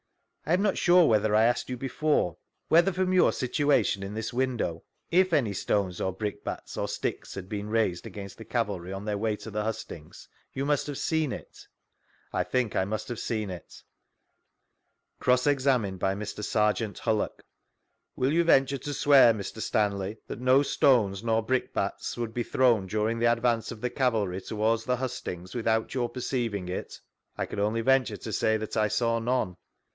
I am not sure whether I asked you before, whether from your situation in this window, if any stones, or brickbats, or sticks, had been raised vGoogIc STANLEY'S EVIDENCE gainst the cavalry, on their way to the hustings, you must have seen it F— I think I must have seen Cross^xamined by Mr. Serjeant Huuack : Will you venture to swear, Mr. Stanley, that no sKines nor brickbats would be thrown during the advance of the cavalry towards the hustings, without yoiu perceiving it ?— I can only venture to say that I saw none.